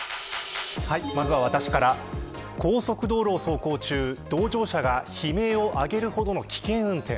まずは私から高速道路を走行中同乗者が悲鳴を上げるほどの危険運転。